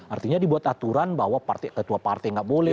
artinya dibuat aturan bahwa ketua partai nggak boleh